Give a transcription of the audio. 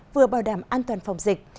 vừa bảo đảm an toàn phòng dịch